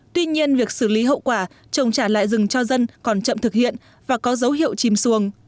tuy nhiên việc xử lý hậu quả trồng trả lại rừng cho dân còn chậm thực hiện và có dấu hiệu chìm xuồng